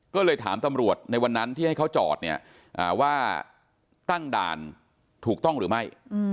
ก็เลยถามตำรวจในวันนั้นที่ให้เขาจอดเนี่ยว่าตั้งด่านถูกต้องหรือไม่